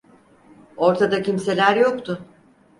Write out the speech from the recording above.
Ortada kimseler yoktu.